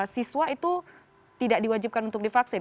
siswa itu tidak diwajibkan untuk divaksin